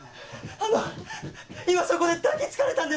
・あの今そこで抱き付かれたんです！